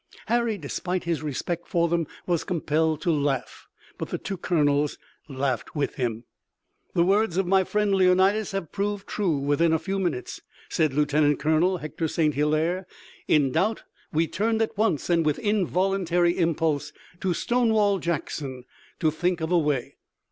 Harry, despite his respect for them, was compelled to laugh. But the two colonels laughed with him. "The words of my friend Leonidas have been proved true within a few minutes," said Lieutenant Colonel Hector St. Hilaire. "In doubt we turned at once and with involuntary impulse to Stonewall Jackson to think of a way.